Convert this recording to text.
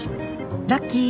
ラッキー。